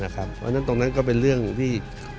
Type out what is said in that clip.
ตรงนั้นก็เป็นเรื่องที่